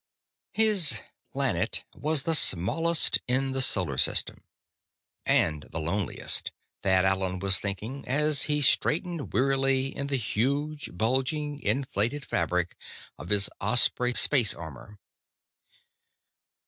] His "planet" was the smallest in the solar system, and the loneliest, Thad Allen was thinking, as he straightened wearily in the huge, bulging, inflated fabric of his Osprey space armor.